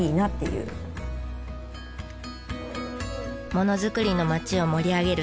ものづくりの町を盛り上げる戸屋さん。